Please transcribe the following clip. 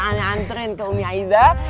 aneh anturin ke umi aidah